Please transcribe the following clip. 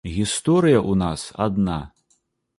Гісторыя ў нас адна.